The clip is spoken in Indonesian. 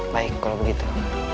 baik kalau begitu